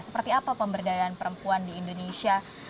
seperti apa pemberdayaan perempuan di indonesia